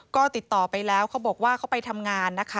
ก็ติดต่อไปแล้วเขาบอกว่าเขาไปทำงานนะคะ